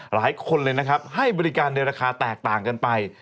หลายคนเลยนะครับให้บริการในราคาแตกต่างกันไป